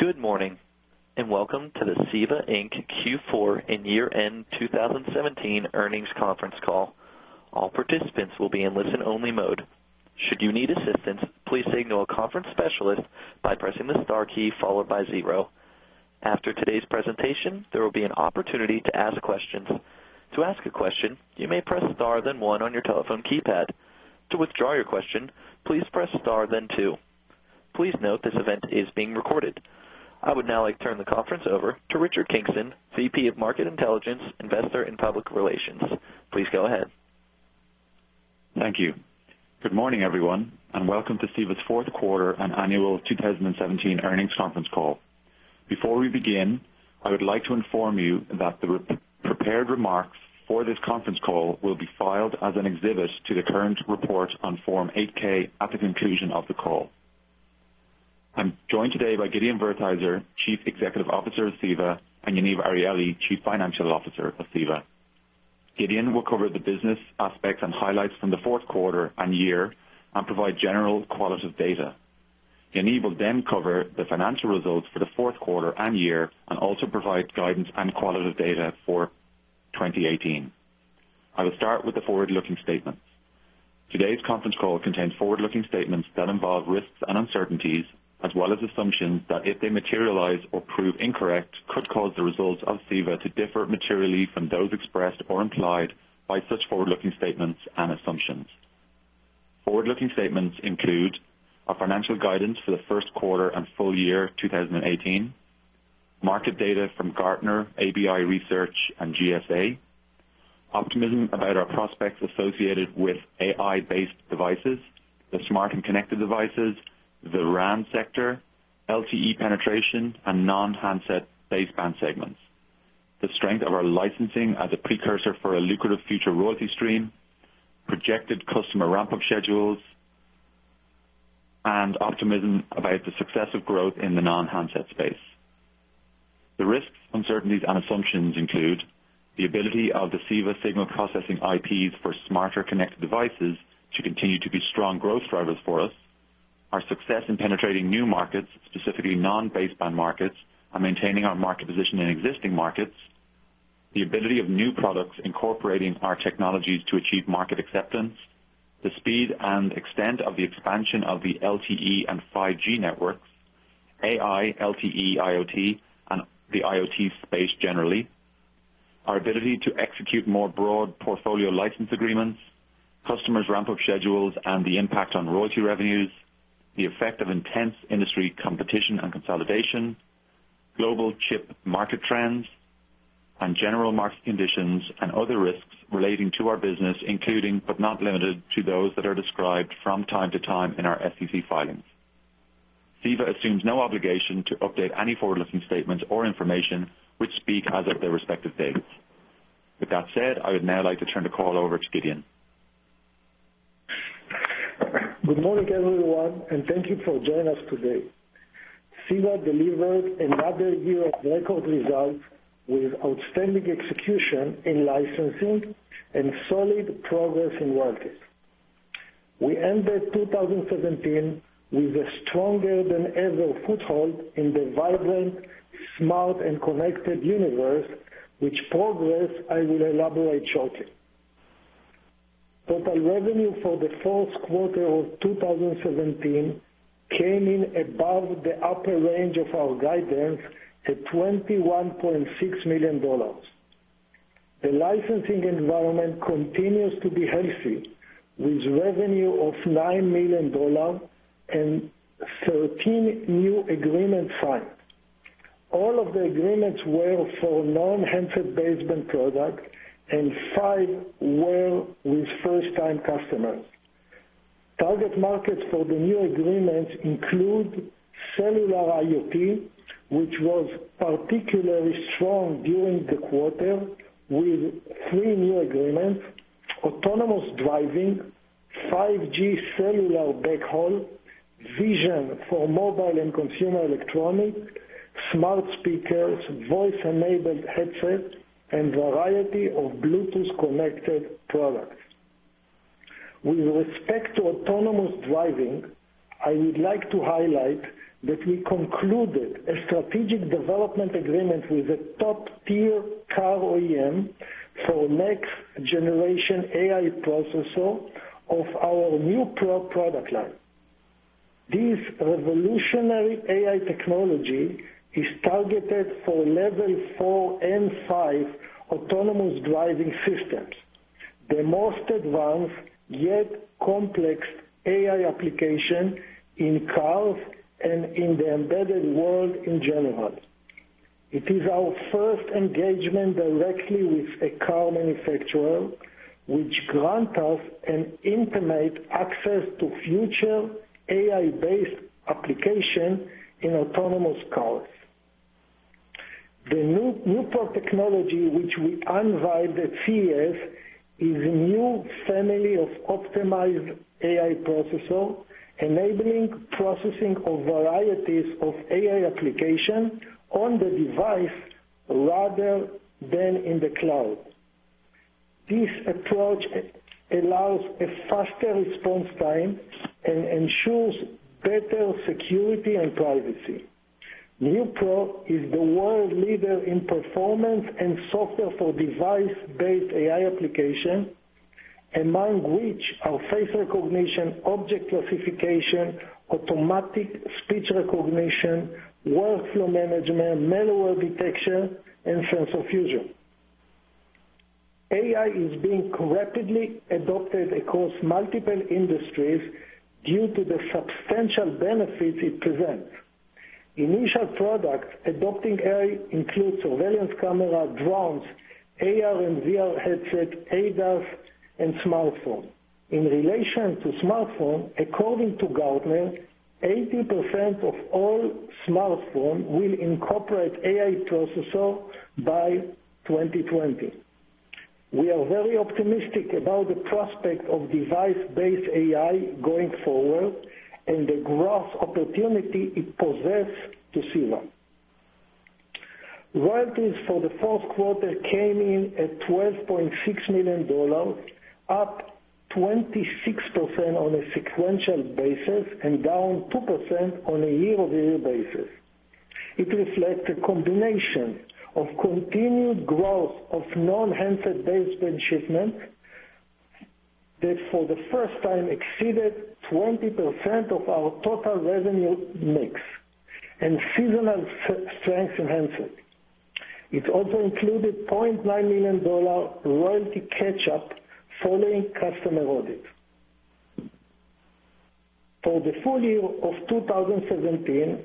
Good morning, welcome to the CEVA Inc. Q4 and year-end 2017 earnings conference call. All participants will be in listen-only mode. Should you need assistance, please signal a conference specialist by pressing the star key followed by zero. After today's presentation, there will be an opportunity to ask questions. To ask a question, you may press star then one on your telephone keypad. To withdraw your question, please press star then two. Please note this event is being recorded. I would now like to turn the conference over to Richard Kingston, VP of Market Intelligence, Investor, and Public Relations. Please go ahead. Thank you. Good morning, everyone, welcome to CEVA's fourth quarter and annual 2017 earnings conference call. Before we begin, I would like to inform you that the prepared remarks for this conference call will be filed as an exhibit to the current report on Form 8-K at the conclusion of the call. I'm joined today by Gideon Wertheizer, Chief Executive Officer of CEVA, and Yaniv Arieli, Chief Financial Officer of CEVA. Gideon will cover the business aspects and highlights from the fourth quarter and year and provide general qualitative data. Yaniv will cover the financial results for the fourth quarter and year and also provide guidance and qualitative data for 2018. I will start with the forward-looking statements. Today's conference call contains forward-looking statements that involve risks and uncertainties as well as assumptions that, if they materialize or prove incorrect, could cause the results of CEVA to differ materially from those expressed or implied by such forward-looking statements and assumptions. Forward-looking statements include our financial guidance for the first quarter and full year 2018, market data from Gartner, ABI Research, and GSA, optimism about our prospects associated with AI-based devices, the smart and connected devices, the RAN sector, LTE penetration, and non-handset baseband segments, the strength of our licensing as a precursor for a lucrative future royalty stream, projected customer ramp-up schedules, and optimism about the success of growth in the non-handset space. The risks, uncertainties, and assumptions include the ability of the CEVA signal processing IPs for smarter connected devices to continue to be strong growth drivers for us, our success in penetrating new markets, specifically non-baseband markets, and maintaining our market position in existing markets, the ability of new products incorporating our technologies to achieve market acceptance, the speed and extent of the expansion of the LTE and 5G networks, AI, LTE, IoT, and the IoT space generally, our ability to execute more broad portfolio license agreements, customers' ramp-up schedules, and the impact on royalty revenues, the effect of intense industry competition and consolidation, global chip market trends, and general market conditions and other risks relating to our business, including but not limited to those that are described from time to time in our SEC filings. CEVA assumes no obligation to update any forward-looking statements or information which speak as of their respective dates. With that said, I would now like to turn the call over to Gideon. Good morning, everyone, thank you for joining us today. CEVA delivered another year of record results with outstanding execution in licensing and solid progress in royalties. We ended 2017 with a stronger than ever foothold in the vibrant, smart, and connected universe, which progress I will elaborate shortly. Total revenue for the fourth quarter of 2017 came in above the upper range of our guidance to $21.6 million. The licensing environment continues to be healthy, with revenue of $9 million and 13 new agreements signed. All of the agreements were for non-handset baseband product and five were with first-time customers. Target markets for the new agreements include cellular IoT, which was particularly strong during the quarter with three new agreements, autonomous driving, 5G cellular backhaul, vision for mobile and consumer electronics, smart speakers, voice-enabled headsets, and a variety of Bluetooth-connected products. With respect to autonomous driving, I would like to highlight that we concluded a strategic development agreement with a top-tier car OEM for next-generation AI processor of our NeuPro product line. This revolutionary AI technology is targeted for level 4 and 5 autonomous driving systems, the most advanced yet complex AI application in cars and in the embedded world in general. It is our first engagement directly with a car manufacturer, which grants us an intimate access to future AI-based application in autonomous cars. The NeuPro technology, which we unveiled at CES, is a new family of optimized AI processor, enabling processing of varieties of AI application on the device rather than in the cloud. This approach allows a faster response time and ensures better security and privacy. NeuPro is the world leader in performance and software for device-based AI application, among which are face recognition, object classification, automatic speech recognition, workflow management, malware detection, and sensor fusion. AI is being rapidly adopted across multiple industries due to the substantial benefits it presents. Initial products adopting AI include surveillance camera, drones, AR and VR headsets, ADAS, and smartphone. In relation to smartphone, according to Gartner, 80% of all smartphone will incorporate AI processor by 2020. We are very optimistic about the prospect of device-based AI going forward and the growth opportunity it possesses to CEVA. Royalties for the fourth quarter came in at $12.6 million, up 26% on a sequential basis and down 2% on a year-over-year basis. It reflects a combination of continued growth of non-handset baseband shipment that for the first time exceeded 20% of our total revenue mix and seasonal strength in handset. It also included $0.9 million royalty catch-up following customer audit. For the full year of 2017,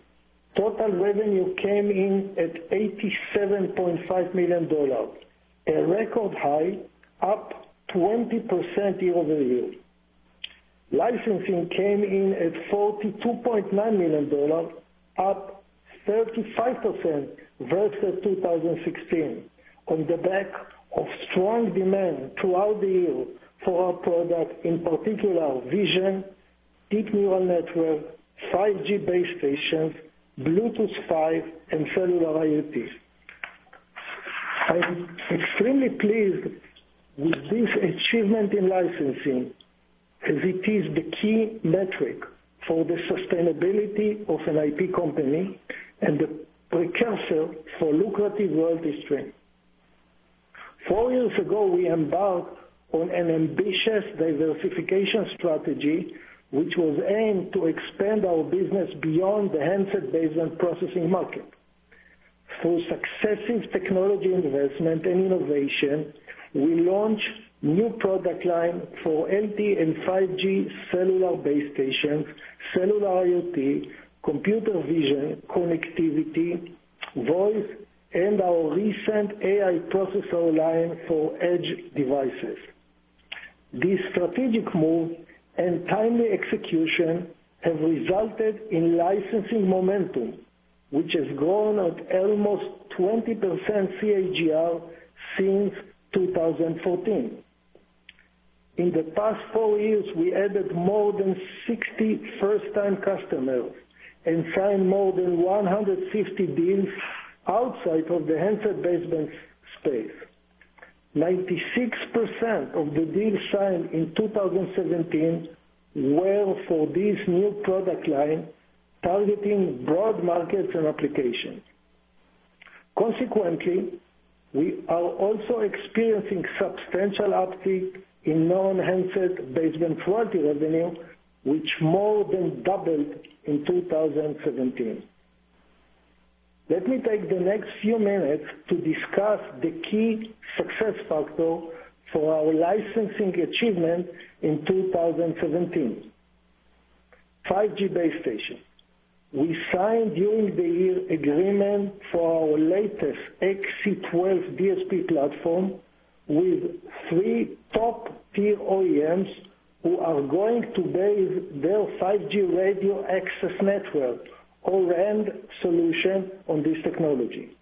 total revenue came in at $87.5 million, a record high, up 20% year-over-year. Licensing came in at $42.9 million, up 35% versus 2016, on the back of strong demand throughout the year for our product, in particular, vision, deep neural network, 5G base stations, Bluetooth 5, and cellular IoT. I am extremely pleased with this achievement in licensing as it is the key metric for the sustainability of an IP company and the precursor for lucrative royalty stream. Four years ago, we embarked on an ambitious diversification strategy, which was aimed to expand our business beyond the handset baseband processing market. Through successive technology investment and innovation, we launched new product line for LTE and 5G cellular base stations, cellular IoT, computer vision, connectivity, voice, and our recent AI processor line for edge devices. These strategic move and timely execution have resulted in licensing momentum, which has grown at almost 20% CAGR since 2014. In the past four years, we added more than 60 first-time customers and signed more than 150 deals outside of the handset baseband space. 96% of the deals signed in 2017 were for this new product line targeting broad markets and applications. Consequently, we are also experiencing substantial uptick in non-handset baseband royalty revenue, which more than doubled in 2017. Let me take the next few minutes to discuss the key success factor for our licensing achievement in 2017. 5G base station. We signed during the year agreement for our latest XC12 DSP platform with 3 top-tier OEMs who are going to base their 5G radio access network or RAN solution on this technology.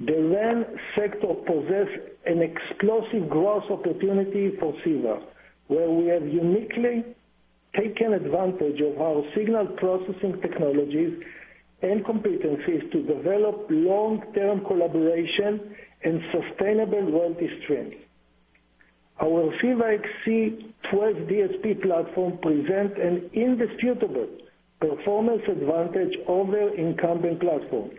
The RAN sector possess an explosive growth opportunity for CEVA, where we have uniquely taken advantage of our signal processing technologies and competencies to develop long-term collaboration and sustainable royalty stream. Our CEVA XC12 DSP platform present an indisputable performance advantage over incumbent platform.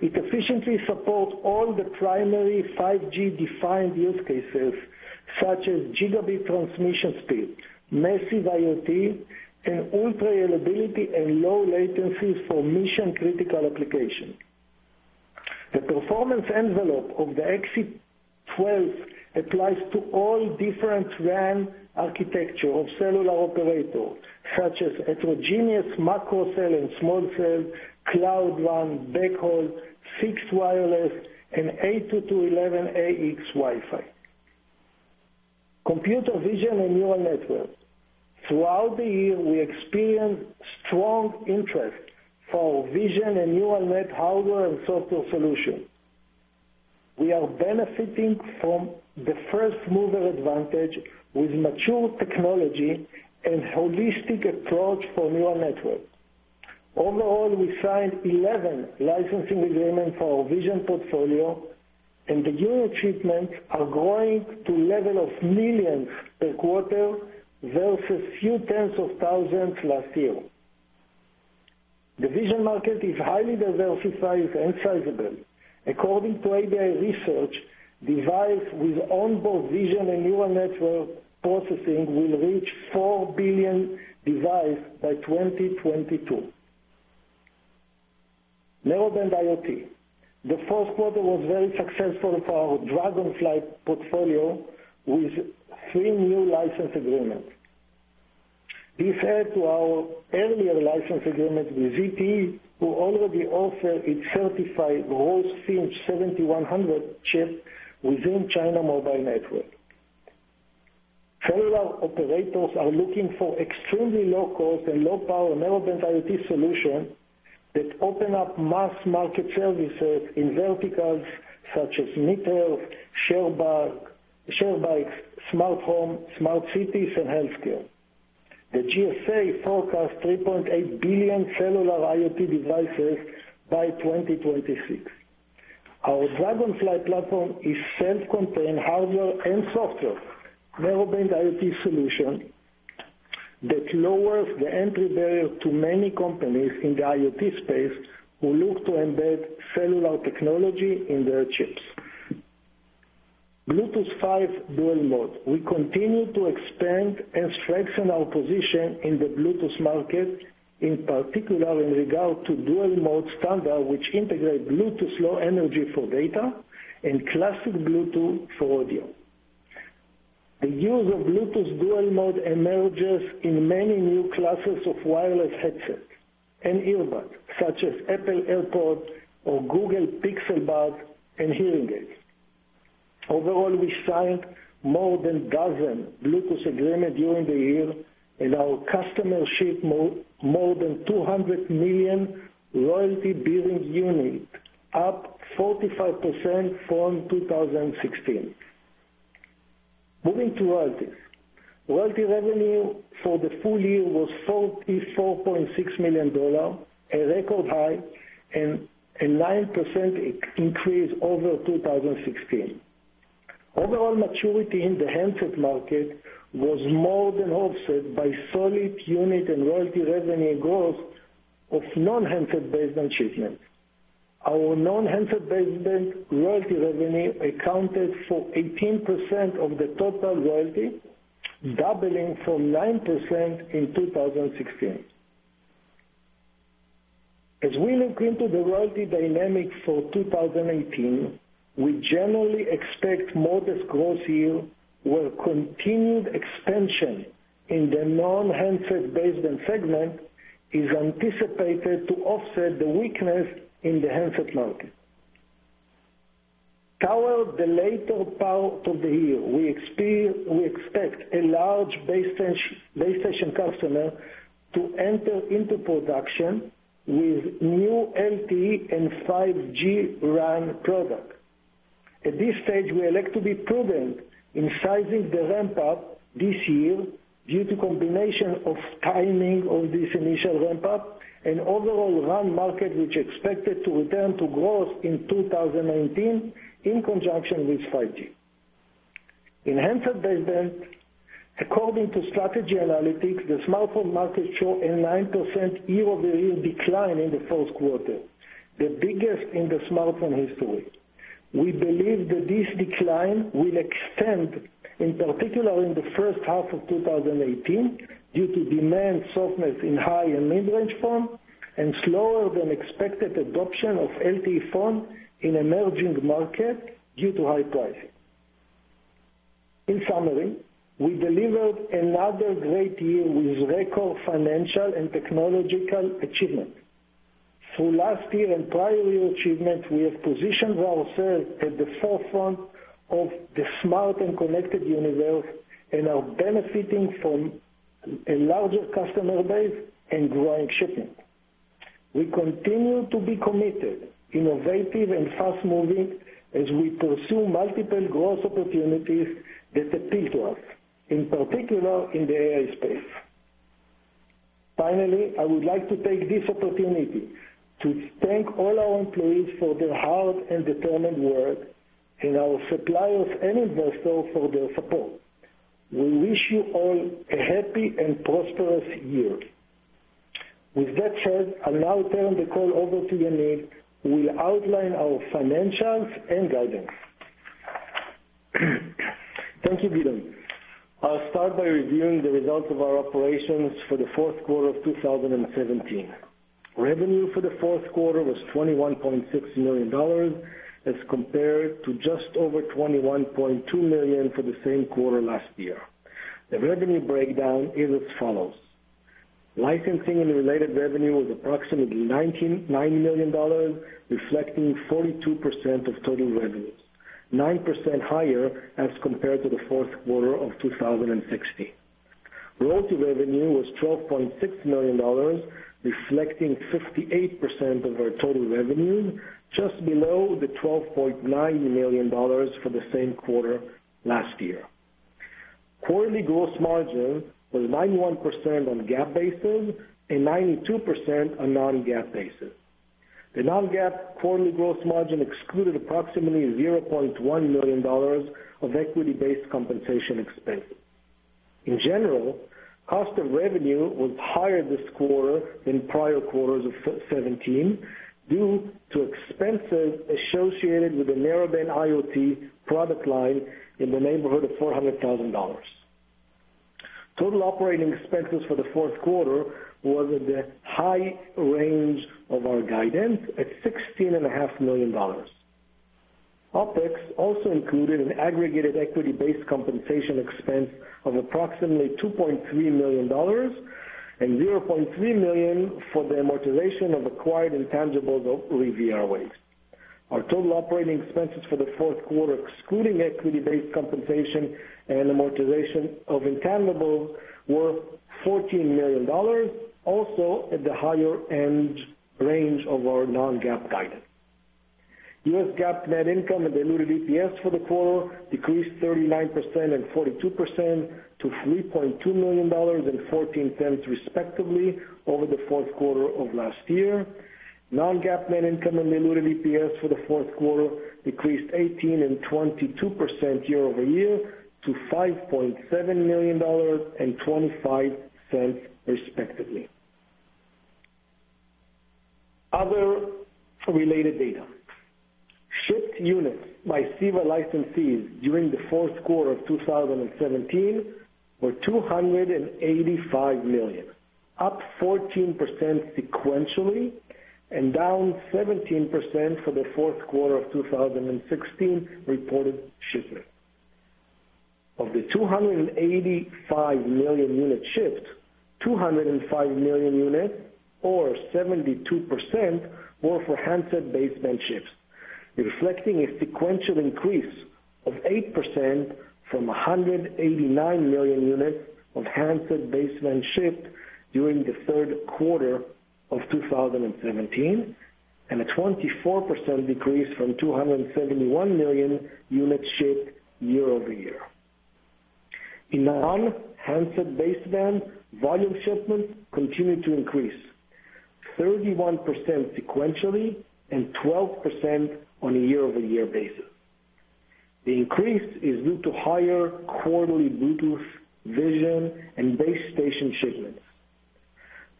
It efficiently support all the primary 5G defined use cases such as gigabit transmission speed, massive IoT, and ultra-reliability and low latency for mission critical application. The performance envelope of the XC12 applies to all different RAN architecture of cellular operators, such as heterogeneous macro cell and small cell, Cloud RAN, backhaul, fixed wireless, and 802.11ax Wi-Fi. Computer vision and neural network. Throughout the year, we experienced strong interest for vision and neural net hardware and software solution. We are benefiting from the first-mover advantage with mature technology and holistic approach for neural network. Overall, we signed 11 licensing agreements for our vision portfolio, and the unit shipments are growing to level of millions per quarter versus few tens of thousands last year. The vision market is highly diversified and sizable. According to ABI Research, device with onboard vision and neural network processing will reach 4 billion device by 2022. Narrowband IoT. The first quarter was very successful for our DragonFly portfolio with 3 new license agreements. This add to our earlier license agreements with ZTE, who already offer a certified RoseFinch7100 chip within China Mobile Network. Cellular operators are looking for extremely low cost and low power Narrowband IoT solution that open up mass market services in verticals such as micro, share bikes, smart home, smart cities, and healthcare. The GSA forecast 3.8 billion cellular IoT devices by 2026. Our DragonFly platform is self-contained hardware and software Narrowband IoT solution that lowers the entry barrier to many companies in the IoT space who look to embed cellular technology in their chips. Bluetooth 5 dual mode. We continue to expand and strengthen our position in the Bluetooth market, in particular in regard to dual mode standard, which integrate Bluetooth Low Energy for data and classic Bluetooth for audio. The use of Bluetooth dual mode emerges in many new classes of wireless headsets and earbuds, such as Apple AirPods or Google Pixel Buds and hearing aids. Overall, we signed more than dozen Bluetooth agreement during the year, and our customer ship more than 200 million royalty-bearing unit, up 45% from 2016. Moving to royalties. Royalty revenue for the full year was $44.6 million, a record high and a 9% increase over 2016. Overall maturity in the handset market was more than offset by solid unit and royalty revenue growth of non-handset baseband shipments. Our non-handset baseband royalty revenue accounted for 18% of the total royalty, doubling from 9% in 2016. As we look into the royalty dynamics for 2018, we generally expect modest growth here, where continued expansion in the non-handset baseband segment is anticipated to offset the weakness in the handset market. In the latter part of the year, we expect a large base station customer to enter into production with new LTE and 5G RAN product. At this stage, we elect to be prudent in sizing the ramp-up this year due to combination of timing of this initial ramp-up and overall RAN market, which expected to return to growth in 2019 in conjunction with 5G. In handset baseband, according to Strategy Analytics, the smartphone market show a 9% year-over-year decline in the first quarter, the biggest in the smartphone history. We believe that this decline will extend, in particular in the first half of 2018, due to demand softness in high and mid-range phone and slower than expected adoption of LTE phone in emerging market due to high pricing. In summary, we delivered another great year with record financial and technological achievement. Through last year and prior year achievements, we have positioned ourselves at the forefront of the smart and connected universe and are benefiting from a larger customer base and growing shipment. We continue to be committed, innovative, and fast-moving as we pursue multiple growth opportunities that appeal to us, in particular in the AI space. Finally, I would like to take this opportunity to thank all our employees for their hard and determined work and our suppliers and investors for their support. We wish you all a happy and prosperous year. With that said, I'll now turn the call over to Yaniv who will outline our financials and guidance. Thank you, Gideon. I'll start by reviewing the results of our operations for the fourth quarter of 2017. Revenue for the fourth quarter was $21.6 million as compared to just over $21.2 million for the same quarter last year. The revenue breakdown is as follows: licensing and related revenue was approximately $9.9 million, reflecting 42% of total revenues, 9% higher as compared to the fourth quarter of 2016. Royalty revenue was $12.6 million, reflecting 58% of our total revenue, just below the $12.9 million for the same quarter last year. Quarterly gross margin was 91% on GAAP basis and 92% on non-GAAP basis. The non-GAAP quarterly gross margin excluded approximately $0.1 million of equity-based compensation expense. In general, cost of revenue was higher this quarter than prior quarters of 2017 due to expenses associated with the Narrowband IoT product line in the neighborhood of $400,000. Total operating expenses for the fourth quarter was at the high range of our guidance at $16.5 million. OPEX also included an aggregated equity-based compensation expense of approximately $2.3 million and $0.3 million for the amortization of acquired intangibles related to RivieraWaves. Our total operating expenses for the fourth quarter, excluding equity-based compensation and amortization of intangibles, were $14 million, also at the higher-end range of our non-GAAP guidance. U.S. GAAP net income and diluted EPS for the quarter decreased 39% and 42% to $3.2 million and $0.14 respectively over the fourth quarter of last year. Non-GAAP net income and diluted EPS for the fourth quarter decreased 18% and 22% year-over-year to $5.7 million and $0.25 respectively. Other related data. Shipped units by CEVA licensees during the fourth quarter of 2017 were 285 million, up 14% sequentially and down 17% for the fourth quarter of 2016 reported shipments. Of the 285 million units shipped, 205 million units or 72% were for handset baseband ships, reflecting a sequential increase of 8% from 189 million units of handset baseband shipped during the third quarter of 2017, and a 24% decrease from 271 million units shipped year-over-year. In non-handset baseband, volume shipments continued to increase 31% sequentially and 12% on a year-over-year basis. The increase is due to higher quarterly Bluetooth, vision, and base station shipments.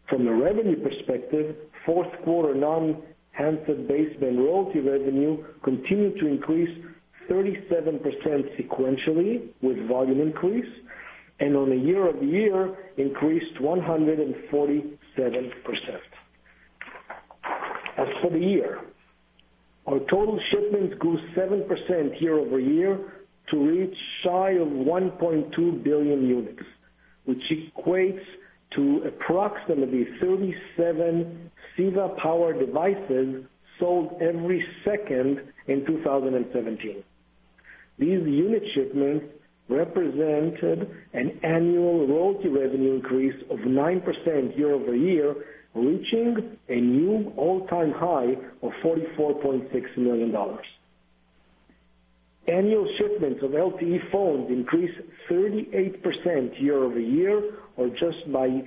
From a revenue perspective, fourth quarter non-handset baseband royalty revenue continued to increase 37% sequentially with volume increase, and on a year-over-year increased 147%. As for the year, our total shipments grew 7% year-over-year to reach shy of 1.2 billion units, which equates to approximately 37 CEVA-powered devices sold every second in 2017. These unit shipments represented an annual royalty revenue increase of 9% year-over-year, reaching a new all-time high of $44.6 million. Annual shipments of LTE phones increased 38% year-over-year or just by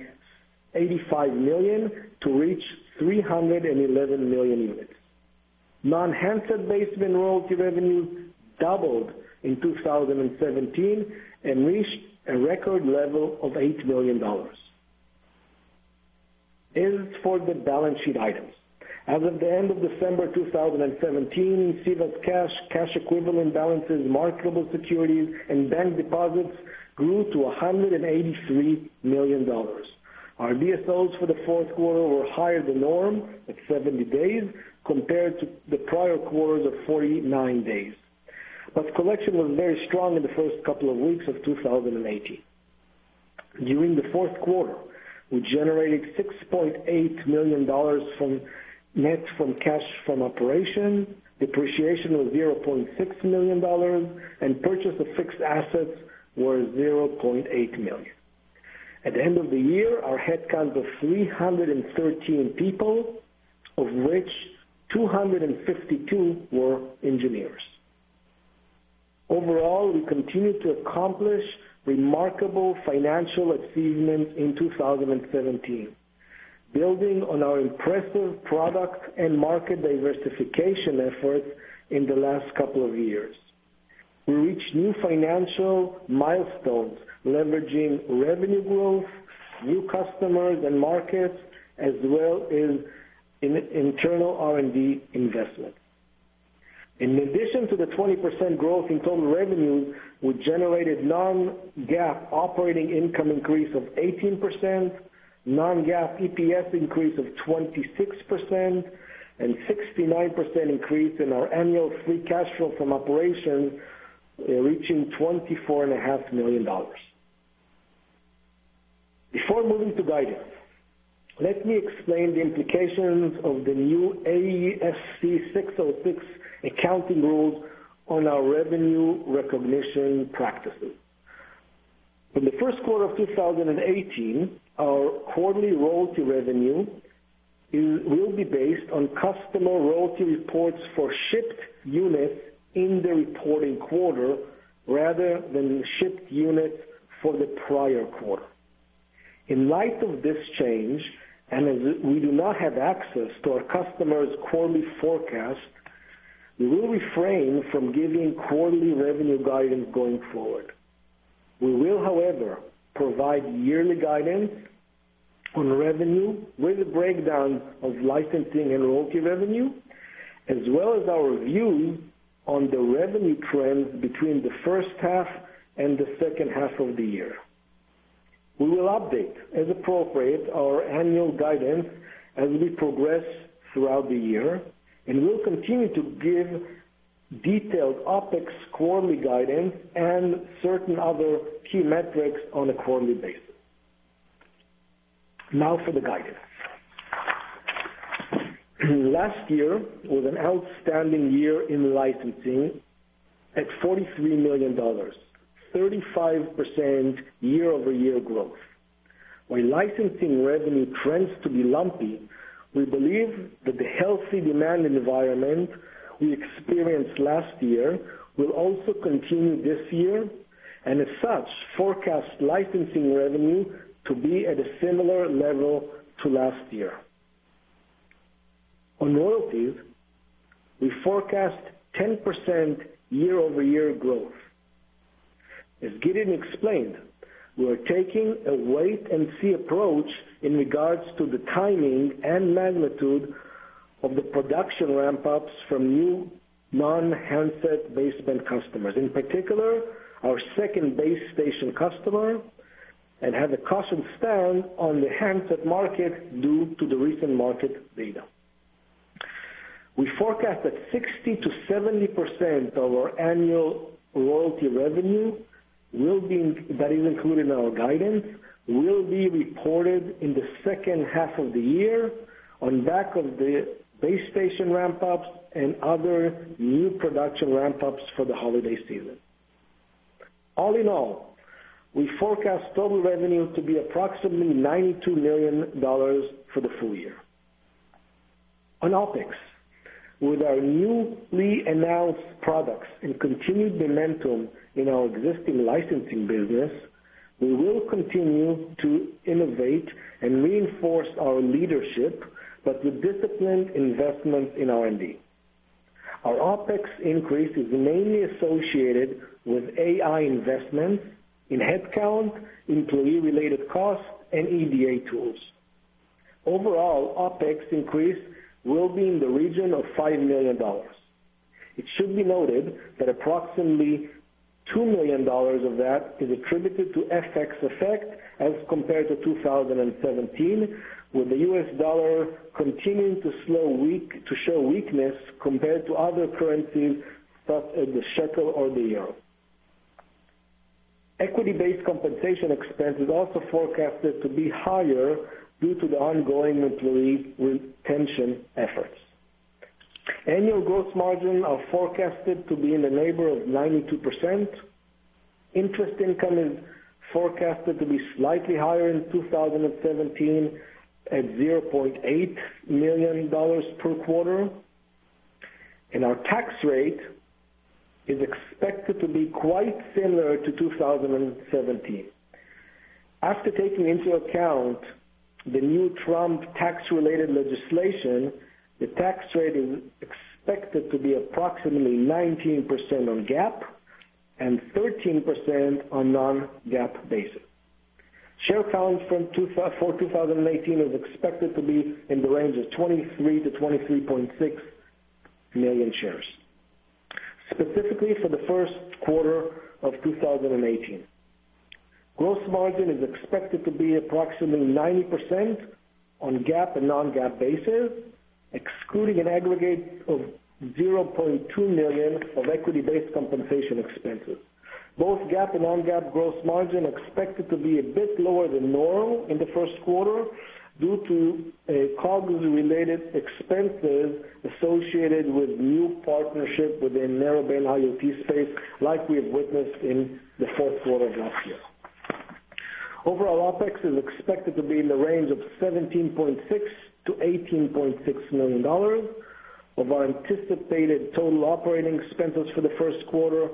85 million to reach 311 million units. Non-handset baseband royalty revenue doubled in 2017 and reached a record level of $8 million. As for the balance sheet items, as of the end of December 2017, CEVA's cash equivalent balances, marketable securities, and bank deposits grew to $183 million. Our DSOs for the fourth quarter were higher than norm, at 70 days, compared to the prior quarters of 49 days. Collection was very strong in the first couple of weeks of 2018. During the fourth quarter, we generated $6.8 million net from cash from operation, depreciation of $0.6 million, and purchase of fixed assets was $0.8 million. At the end of the year, our headcount was 313 people, of which 252 were engineers. Overall, we continued to accomplish remarkable financial achievements in 2017, building on our impressive product and market diversification efforts in the last couple of years. We reached new financial milestones leveraging revenue growth, new customers and markets, as well as internal R&D investment. In addition to the 20% growth in total revenue, we generated non-GAAP operating income increase of 18%, non-GAAP EPS increase of 26%, and 69% increase in our annual free cash flow from operations, reaching $24.5 million. Before moving to guidance, let me explain the implications of the new ASC 606 accounting rules on our revenue recognition practices. In the first quarter of 2018, our quarterly royalty revenue will be based on customer royalty reports for shipped units in the reporting quarter rather than shipped units for the prior quarter. In light of this change, as we do not have access to our customers' quarterly forecast, we will refrain from giving quarterly revenue guidance going forward. We will, however, provide yearly guidance on revenue with a breakdown of licensing and royalty revenue, as well as our view on the revenue trend between the first half and the second half of the year. We will update, as appropriate, our annual guidance as we progress throughout the year, and we'll continue to give detailed OpEx quarterly guidance and certain other key metrics on a quarterly basis. Now for the guidance. Last year was an outstanding year in licensing at $43 million, 35% year-over-year growth. While licensing revenue tends to be lumpy, we believe that the healthy demand environment we experienced last year will also continue this year, and as such, forecast licensing revenue to be at a similar level to last year. On royalties, we forecast 10% year-over-year growth. As Gideon explained, we are taking a wait and see approach in regards to the timing and magnitude of the production ramp-ups from new non-handset baseband customers, in particular, our second base station customer, and have a caution stand on the handset market due to the recent market data. We forecast that 60%-70% of our annual royalty revenue, that is included in our guidance, will be reported in the second half of the year on back of the base station ramp-ups and other new production ramp-ups for the holiday season. All in all, we forecast total revenue to be approximately $92 million for the full year. On OpEx, with our newly announced products and continued momentum in our existing licensing business, we will continue to innovate and reinforce our leadership, but with disciplined investment in R&D. Our OpEx increase is mainly associated with AI investments in headcount, employee-related costs, and EDA tools. Overall, OpEx increase will be in the region of $5 million. It should be noted that approximately $2 million of that is attributed to FX effect as compared to 2017, with the U.S. dollar continuing to show weakness compared to other currencies, such as the shekel or the euro. Equity-based compensation expense is also forecasted to be higher due to the ongoing employee retention efforts. Annual gross margin are forecasted to be in the neighborhood of 92%. Interest income is forecasted to be slightly higher in 2017 at $0.8 million per quarter. Our tax rate is expected to be quite similar to 2017. After taking into account the new Trump tax-related legislation, the tax rate is expected to be approximately 19% on GAAP and 13% on non-GAAP basis. Share count for 2018 is expected to be in the range of 23 million-23.6 million shares. Specifically for the first quarter of 2018, gross margin is expected to be approximately 90% on GAAP and non-GAAP basis, excluding an aggregate of $0.2 million of equity-based compensation expenses. Both GAAP and non-GAAP gross margin expected to be a bit lower than normal in the first quarter due to COGS-related expenses associated with new partnership within Narrowband IoT space, like we have witnessed in the fourth quarter of last year. Overall, OpEx is expected to be in the range of $17.6 million-$18.6 million. Of our anticipated total operating expenses for the first quarter,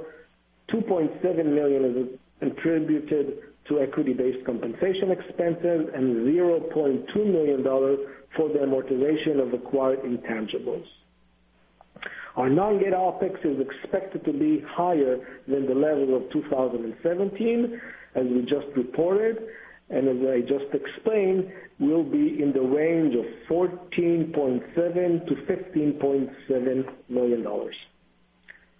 $2.7 million is attributed to equity-based compensation expenses and $0.2 million for the amortization of acquired intangibles. Our non-GAAP OpEx is expected to be higher than the level of 2017, as we just reported, as I just explained, will be in the range of $14.7 million-$15.7 million.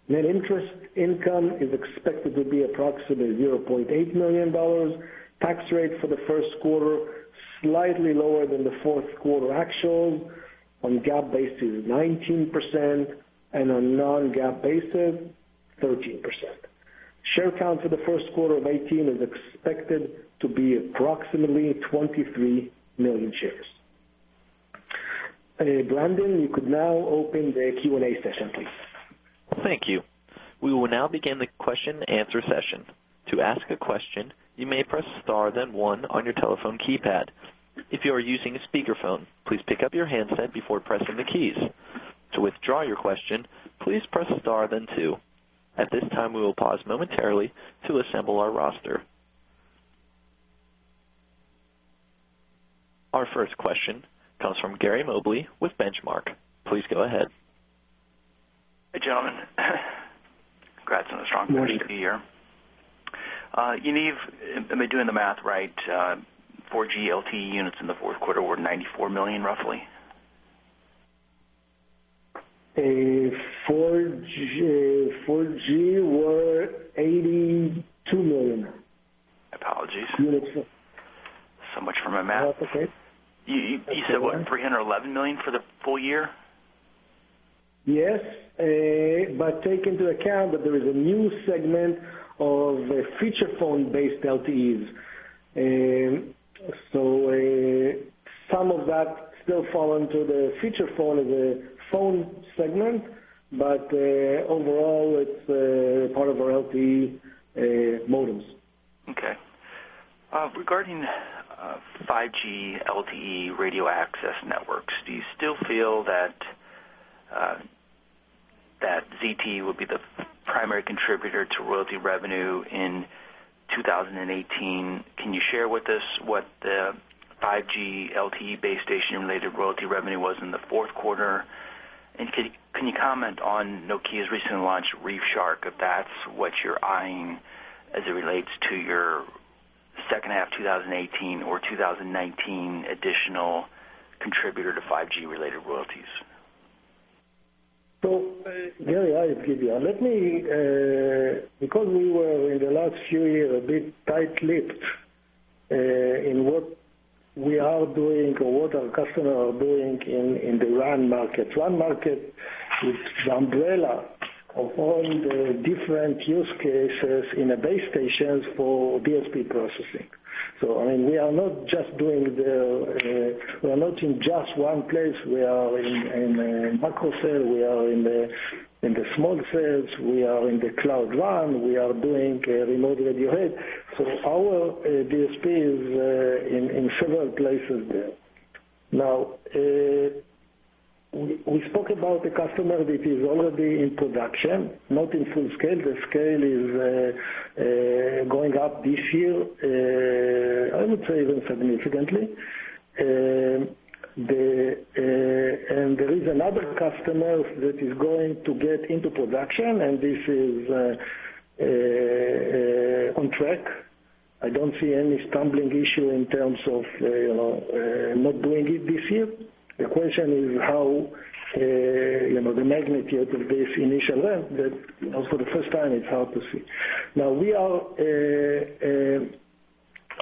Net interest income is expected to be approximately $0.8 million. Tax rate for the first quarter, slightly lower than the fourth quarter actual. On GAAP basis, 19%, on non-GAAP basis, 13%. Share count for the first quarter of 2018 is expected to be approximately 23 million shares. Brandon, you could now open the Q&A session, please. Thank you. We will now begin the question and answer session. To ask a question, you may press star then one on your telephone keypad. If you are using a speakerphone, please pick up your handset before pressing the keys. To withdraw your question, please press star then two. At this time, we will pause momentarily to assemble our roster. Our first question comes from Gary Mobley with Benchmark. Please go ahead. Hi, gentlemen. Congrats on a strong quarter here. Thank you. Yaniv, am I doing the math right, 4G LTE units in the fourth quarter were 94 million, roughly? 4G were 82 million. Apologies. units. Much for my math. That's okay. You said what, $311 million for the full year? Yes, take into account that there is a new segment of feature phone-based LTEs. Some of that still fall into the feature phone segment, but overall, it's part of our LTE modems. Okay. Regarding 5G LTE radio access networks, do you still feel that ZTE will be the primary contributor to royalty revenue in 2018? Can you share with us what the 5G LTE base station-related royalty revenue was in the fourth quarter? Can you comment on Nokia's recently launched ReefShark, if that's what you're eyeing as it relates to your second half 2018 or 2019 additional contributor to 5G-related royalties? Gary, I'll give you. We were, in the last few years, a bit tight-lipped in what we are doing or what our customer are doing in the RAN market. RAN market is the umbrella of all the different use cases in the base stations for DSP processing. We're not in just one place. We are in macro cell, we are in the small cells, we are in the Cloud RAN, we are doing remote radio head. Our DSP is in several places there. Now, we spoke about a customer that is already in production, not in full scale. The scale is going up this year, I would say even significantly. There is another customer that is going to get into production, and this is on track. I don't see any stumbling issue in terms of not doing it this year. The question is how, the magnitude of this initial ramp that for the first time, it's hard to see. Now,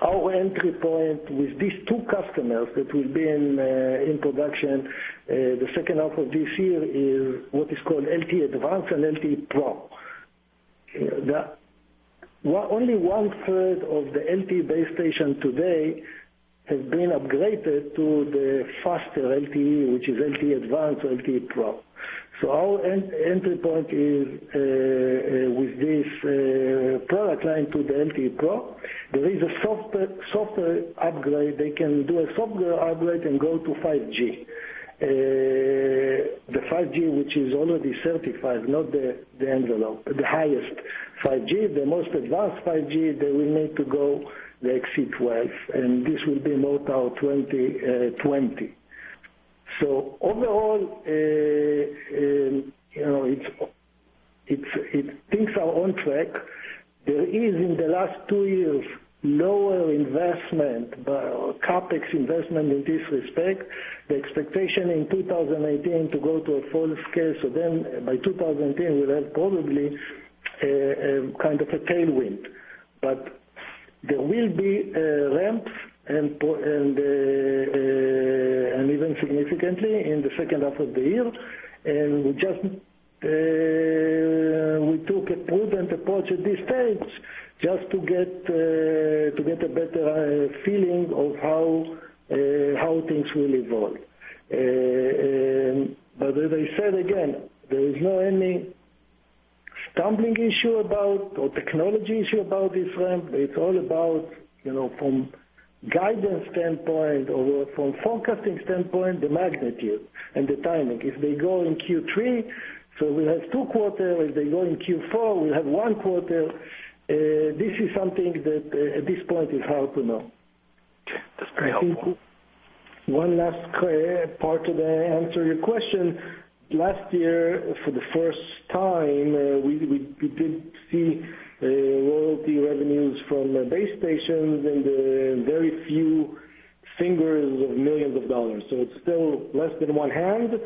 our entry point with these two customers that will be in production the second half of this year is what is called LTE-Advanced and LTE-Advanced Pro. Only one-third of the LTE base station today have been upgraded to the faster LTE, which is LTE-Advanced or LTE-Advanced Pro. Our entry point is with this product line to the LTE-Advanced Pro. There is a software upgrade. They can do a software upgrade and go to 5G. The 5G, which is already certified, not the envelope, the highest 5G, the most advanced 5G, they will need to go the CEVA-XC12, and this will be more toward 2020. Overall, things are on track. There is, in the last two years, lower investment, CapEx investment in this respect. The expectation in 2018 to go to a full scale, by 2010, we'll have probably, kind of a tailwind. There will be a ramp, and even significantly in the second half of the year. We took a prudent approach at this stage just to get a better feeling of how things will evolve. As I said, again, there is not any stumbling issue about or technology issue about this ramp. It's all about, from guidance standpoint or from forecasting standpoint, the magnitude and the timing. If they go in Q3, we'll have two quarters. If they go in Q4, we'll have one quarter. This is something that, at this point is hard to know. That's very helpful. One last part of the answer your question. Last year, for the first time, we did see royalty revenues from base stations in the very few fingers of millions of dollars. It's still less than one hand,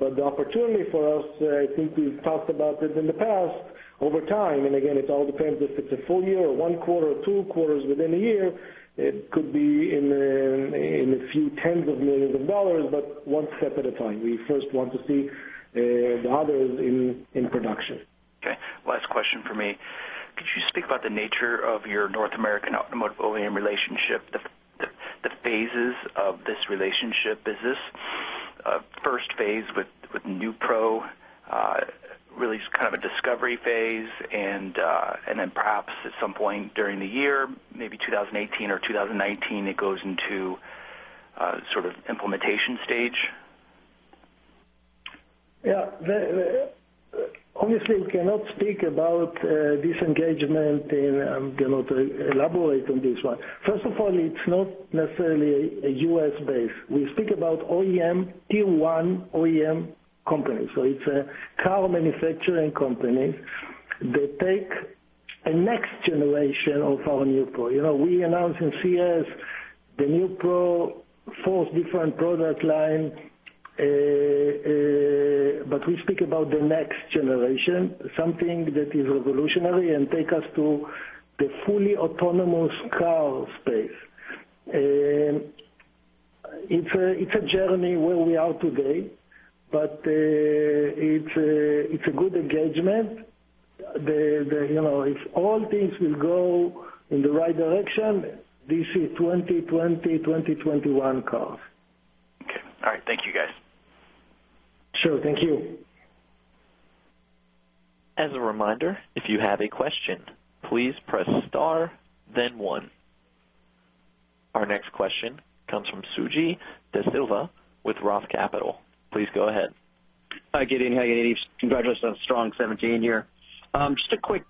but the opportunity for us, I think we've talked about it in the past, over time, and again, it all depends if it's a full year or one quarter or two quarters within a year, it could be in a few tens of millions of dollars, but one step at a time. We first want to see the others in production. For me. Could you speak about the nature of your North American automotive OEM relationship, the phases of this relationship? Is this phase 1 with NeuPro really kind of a discovery phase and then perhaps at some point during the year, maybe 2018 or 2019, it goes into sort of implementation stage? Yeah. Obviously, we cannot speak about this engagement, and I'm going to elaborate on this one. First of all, it's not necessarily U.S.-based. We speak about tier 1 OEM companies. It's a car manufacturing company that take a next generation of our NeuPro. We announced in CES the NeuPro fourth different product line, but we speak about the next generation, something that is revolutionary and take us to the fully autonomous car space. It's a journey where we are today, but it's a good engagement. If all things will go in the right direction, this is 2020, 2021 cars. Okay, all right. Thank you, guys. Sure. Thank you. As a reminder, if you have a question, please press star then one. Our next question comes from Suji Desilva with ROTH Capital. Please go ahead. Hi, Gideon. Hi, Yaniv. Congratulations on a strong 2017 year. Just a quick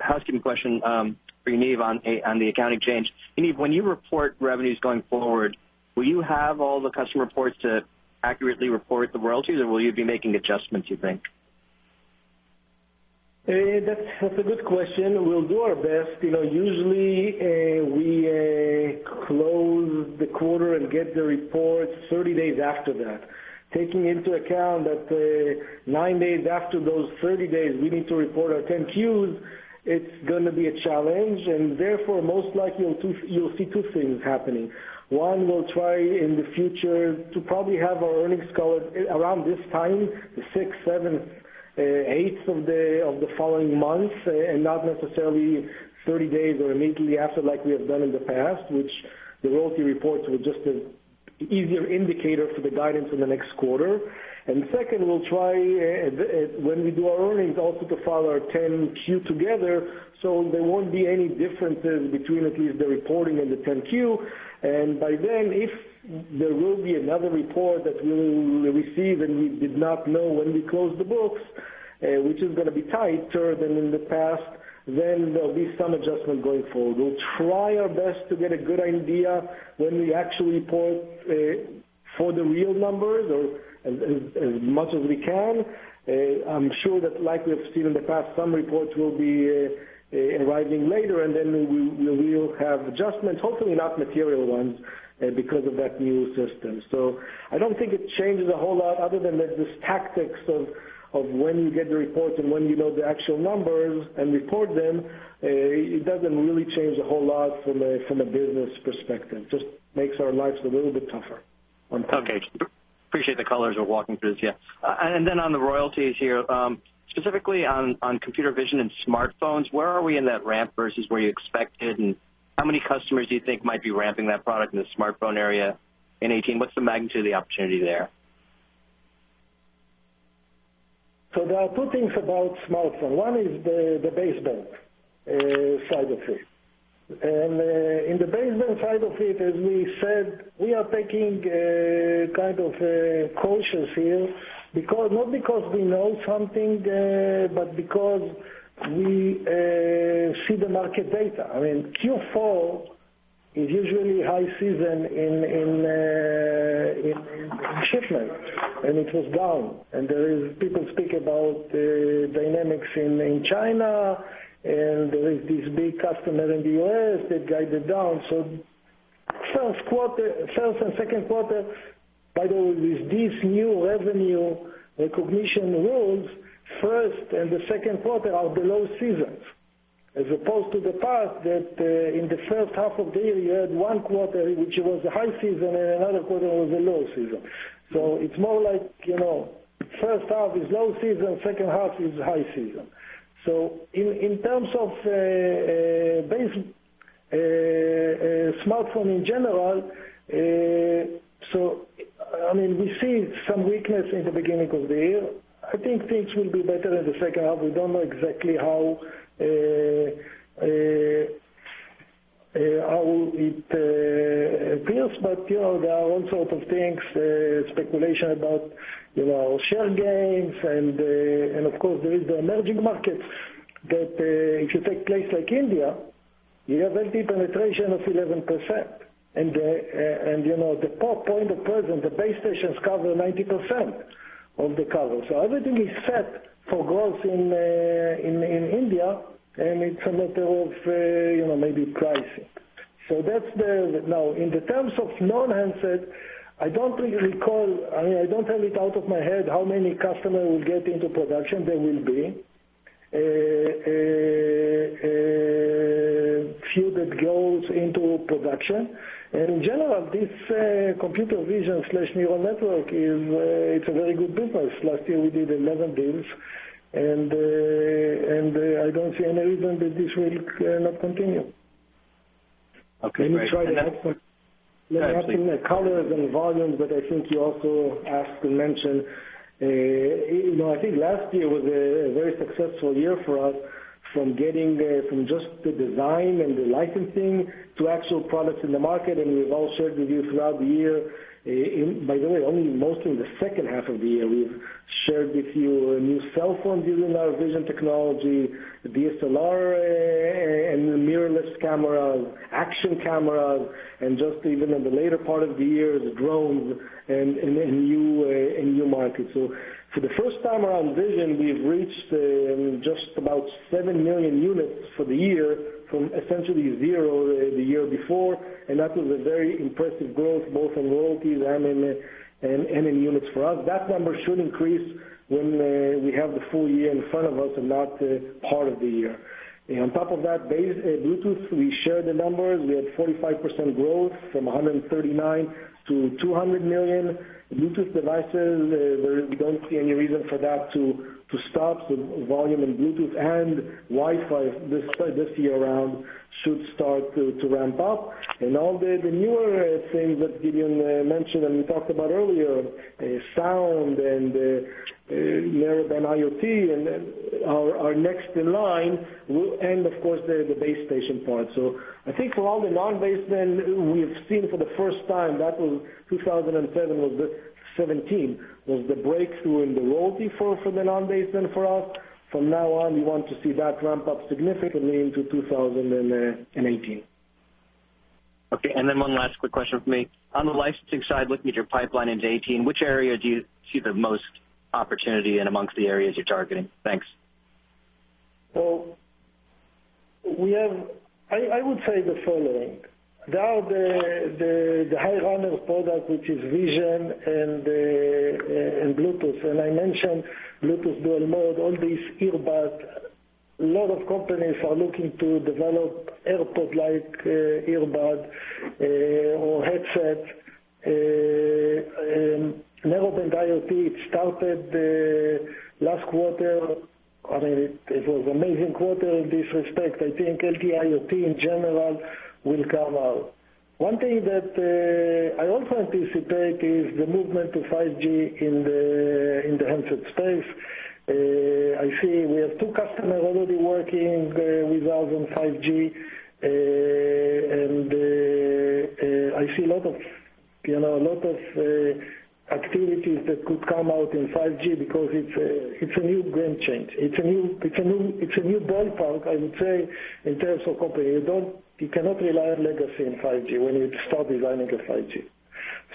housekeeping question for Yaniv on the ASC 606. Yaniv, when you report revenues going forward, will you have all the customer reports to accurately report the royalties, or will you be making adjustments, you think? That's a good question. We'll do our best. Usually, we close the quarter and get the reports 30 days after that. Taking into account that nine days after those 30 days, we need to report our 10-Qs, it's going to be a challenge. Therefore, most likely, you'll see two things happening. One, we'll try in the future to probably have our earnings call around this time, the sixth, seventh, eighth of the following month, and not necessarily 30 days or immediately after like we have done in the past, which the royalty reports were just an easier indicator for the guidance in the next quarter. Second, we'll try, when we do our earnings, also to file our 10-Q together, so there won't be any differences between at least the reporting and the 10-Q. By then, if there will be another report that we will receive, and we did not know when we closed the books, which is going to be tighter than in the past, then there'll be some adjustment going forward. We'll try our best to get a good idea when we actually report for the real numbers or as much as we can. I'm sure that like we have seen in the past, some reports will be arriving later, and then we will have adjustments, hopefully not material ones, because of that new system. I don't think it changes a whole lot other than that this tactics of when you get the reports and when you know the actual numbers and report them, it doesn't really change a whole lot from a business perspective. It just makes our lives a little bit tougher. Okay. Appreciate the colors of walking through this. Yeah. Then on the royalties here, specifically on computer vision and smartphones, where are we in that ramp versus where you expected, and how many customers do you think might be ramping that product in the smartphone area in 2018? What's the magnitude of the opportunity there? There are two things about smartphone. One is the baseband side of it. In the baseband side of it, as we said, we are taking kind of cautious here, not because we know something, but because we see the market data. Q4 is usually high season in shipment, and it was down. There is people speak about dynamics in China, and there is this big customer in the U.S. that guided down. First and second quarter, by the way, with this new revenue recognition rules, first and the second quarter are the low seasons, as opposed to the past that in the first half of the year, you had one quarter, which was the high season, and another quarter was the low season. It's more like first half is low season, second half is high season. In terms of base smartphone in general, we see some weakness in the beginning of the year. I think things will be better in the second half. We don't know exactly how it appears, but there are all sorts of things, speculation about share gains, and of course, there is the emerging markets that if you take place like India, you have LTE penetration of 11%. The point of present, the base stations cover 90% of the cover. Everything is set for growth in India, and it's a matter of maybe pricing. Now, in the terms of non-handset, I don't recall, I don't have it out of my head how many customers will get into production. There will be. Few that goes into production. In general, this computer vision/neural network, it's a very good business. Last year, we did 11 deals. I don't see any reason that this will not continue. Okay, great. Let me try to add some. Not in the colors and volumes, I think you also asked to mention. I think last year was a very successful year for us, from just the design and the licensing to actual products in the market. We've also, with you throughout the year. By the way, only mostly in the second half of the year, we've shared with you a new cell phone using our vision technology, DSLR, and mirrorless cameras, action cameras, and just even in the later part of the year, the drones, and new markets. For the first time around vision, we've reached just about seven million units for the year from essentially zero the year before. That was a very impressive growth, both on royalties and in units. For us, that number should increase when we have the full year in front of us and not part of the year. On top of that, base Bluetooth, we shared the numbers. We had 45% growth from 139 million to 200 million Bluetooth devices. We don't see any reason for that to stop. The volume in Bluetooth and Wi-Fi this year around should start to ramp up. All the newer things that Gideon mentioned and we talked about earlier, sound and Narrowband IoT are next in line. Of course, the base station part. I think for all the non-baseband we've seen for the first time, that was 2017, was the breakthrough in the royalty for the non-baseband for us. From now on, we want to see that ramp up significantly into 2018. Okay. Then one last quick question from me. On the licensing side, looking at your pipeline into 2018, which area do you see the most opportunity in amongst the areas you're targeting? Thanks. I would say the following. Now, the high runner product, which is vision and Bluetooth, I mentioned Bluetooth dual-mode, all these earbuds. A lot of companies are looking to develop AirPod-like earbuds or headsets. Narrowband IoT started last quarter. It was amazing quarter in this respect. I think LTE IoT in general will come out. One thing that I also anticipate is the movement to 5G in the handset space. I see we have two customers already working with us on 5G. I see a lot of activities that could come out in 5G because it's a new game change. It's a new ballpark, I would say, in terms of company. You cannot rely on legacy in 5G when you start designing a 5G.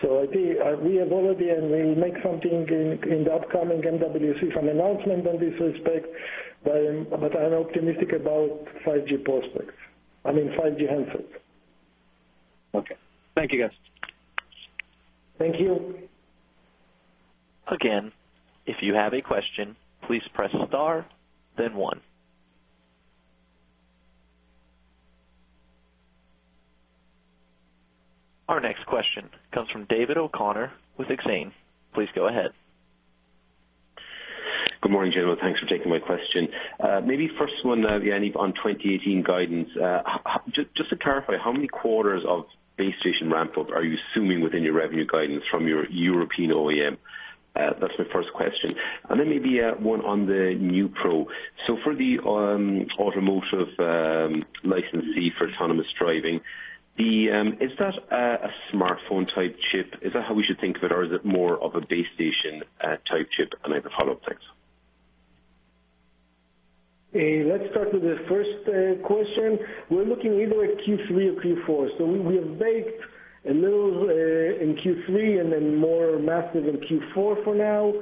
I think we have already. We'll make something in the upcoming MWC, some announcement on this respect, but I'm optimistic about 5G prospects. I mean 5G handsets. Okay. Thank you, guys. Thank you. Again, if you have a question, please press star, then one. Our next question comes from David O'Connor with Exane. Please go ahead. Good morning, gentlemen. Thanks for taking my question. First one, Yaniv, on 2018 guidance. Just to clarify, how many quarters of base station ramp-up are you assuming within your revenue guidance from your European OEM? That's my first question. Maybe one on the NeuPro. For the automotive licensee for autonomous driving, is that a smartphone-type chip? Is that how we should think of it, or is it more of a base station type chip? I have a follow-up. Thanks. Let's start with the first question. We're looking either at Q3 or Q4. We have baked a little in Q3 and then more massive in Q4 for now.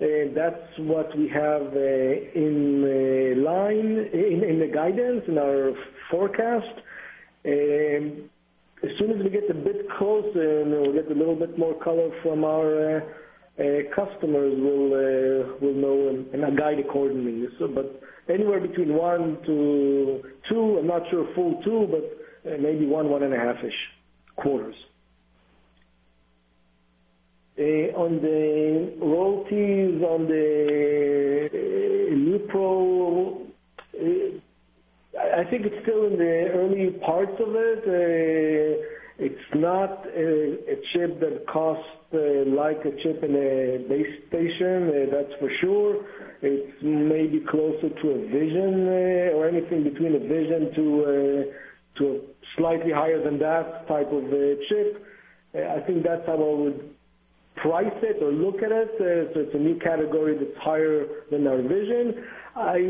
That's what we have in line, in the guidance, in our forecast. As soon as we get a bit closer and we'll get a little bit more color from our customers, we'll know and guide accordingly. Anywhere between one to two, I'm not sure full two, but maybe one and a half-ish quarters. On the royalties on the NeuPro, I think it's still in the early parts of it. It's not a chip that costs like a chip in a base station, that's for sure. It's maybe closer to a vision or anything between a vision to slightly higher than that type of chip. I think that's how I would price it or look at it. It's a new category that's higher than our vision. I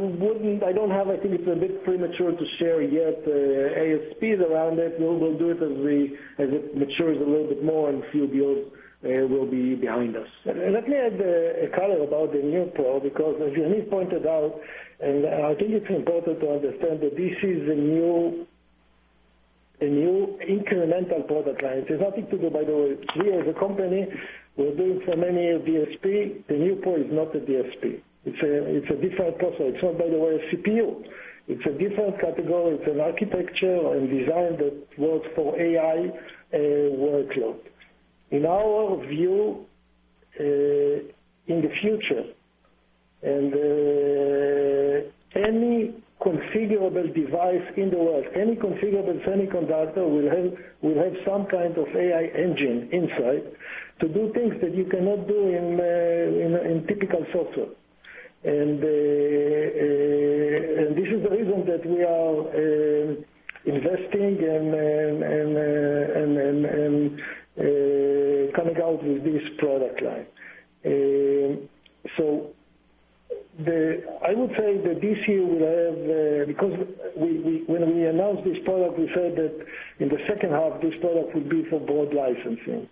think it's a bit premature to share yet ASPs around it. We'll do it as it matures a little bit more and a few deals will be behind us. Let me add a color about the NeuPro, because as Yaniv pointed out, and I think it's important to understand that this is a new incremental product line. It's nothing to do, by the way, we as a company, we're doing for many years DSP. The NeuPro is not a DSP. It's a different processor. It's not, by the way, a CPU. It's a different category. It's an architecture and design that works for AI workload. In our view, in the future, any configurable device in the world, any configurable semiconductor will have some kind of AI engine inside to do things that you cannot do in typical software. This is the reason that we are investing and coming out with this product line. I would say that because when we announced this product, we said that in the second half, this product would be for broad licensing.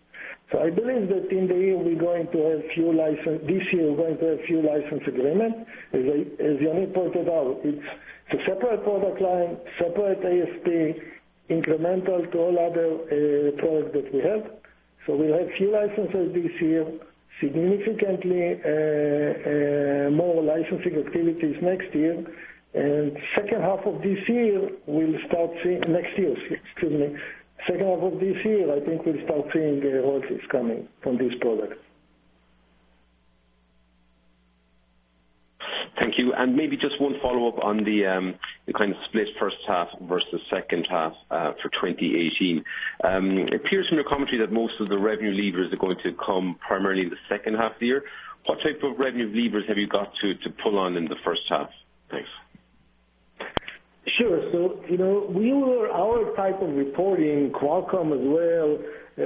I believe that in the year, this year, we're going to have few license agreements. As Yaniv pointed out, it's a separate product line, separate ASP, incremental to all other products that we have. We'll have few licenses this year, significantly more licensing activities next year. Next year, we'll start seeing. Second half of this year, I think we'll start seeing royalties coming from this product. Thank you. Maybe just one follow-up on the kind of split first half versus second half for 2018. It appears from your commentary that most of the revenue levers are going to come primarily in the second half of the year. What type of revenue levers have you got to pull on in the first half? Thanks. Sure. Our type of reporting, Qualcomm as well,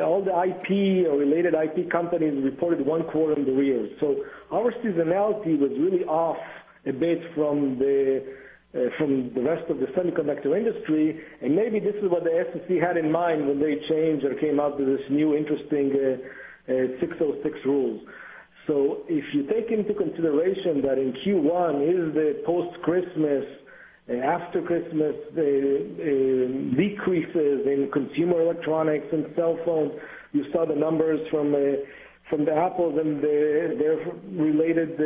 all the IP or related IP companies reported one quarter in the year. Our seasonality was really off a bit from the rest of the semiconductor industry, and maybe this is what the SEC had in mind when they changed or came out with this new interesting 606 rule. If you take into consideration that in Q1 is the post-Christmas, after Christmas, decreases in consumer electronics and cell phones. You saw the numbers from the Apples and their related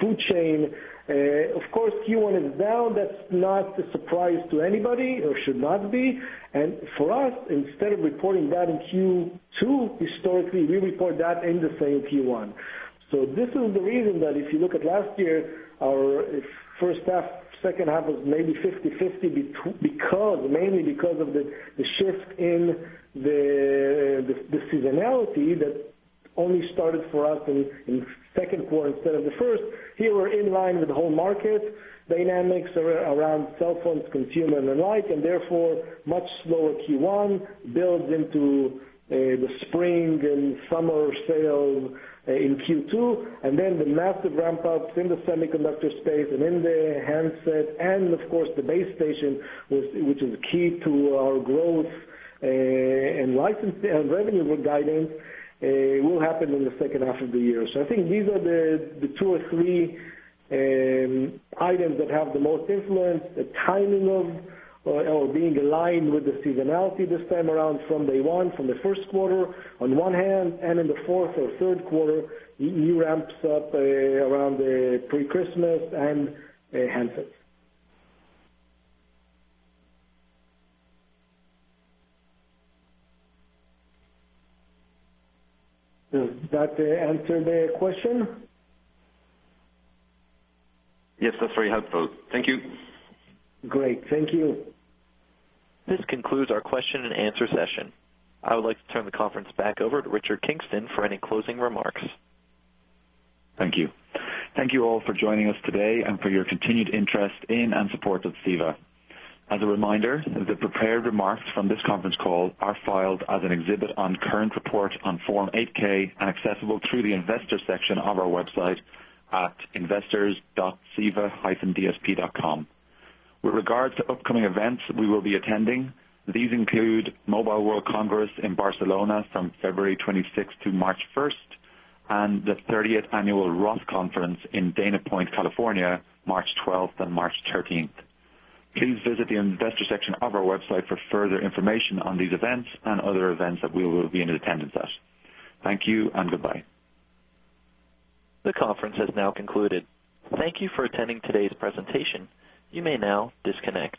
food chain. Of course, Q1 is down. That's not a surprise to anybody or should not be. For us, instead of reporting that in Q2, historically, we report that in the same Q1. This is the reason that if you look at last year, our first half, second half was maybe 50/50, mainly because of the shift in the seasonality that only started for us in second quarter instead of the first. Here, we're in line with the whole market dynamics around cell phones, consumer and the like, therefore, much slower Q1 builds into the spring and summer sale in Q2. The massive ramp-ups in the semiconductor space and in the handset and of course, the base station, which is key to our growth and revenue guidance, will happen in the second half of the year. I think these are the two or three items that have the most influence, the timing of or being aligned with the seasonality this time around from day one, from the first quarter on one hand, and in the fourth or third quarter, EU ramps up around pre-Christmas and handsets. Does that answer the question? Yes, that's very helpful. Thank you. Great. Thank you. This concludes our question and answer session. I would like to turn the conference back over to Richard Kingston for any closing remarks. Thank you. Thank you all for joining us today and for your continued interest in and support of CEVA. As a reminder, the prepared remarks from this conference call are filed as an exhibit on current report on Form 8-K and accessible through the investor section of our website at investors.ceva-dsp.com. With regards to upcoming events we will be attending, these include Mobile World Congress in Barcelona from February 26th to March 1st, and the 30th Annual ROTH Conference in Dana Point, California, March 12th and March 13th. Please visit the investor section of our website for further information on these events and other events that we will be in attendance at. Thank you and goodbye. The conference has now concluded. Thank you for attending today's presentation. You may now disconnect.